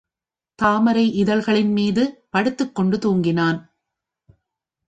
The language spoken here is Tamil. தாமரை இதழ்களின் மீது படுத்துக் கொண்டு தூங்கினான்.